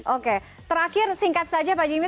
oke terakhir singkat saja pak jimm